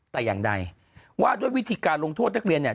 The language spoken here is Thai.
แต่อย่างใดว่าด้วยวิธีการลงโทษนักเรียนเนี่ย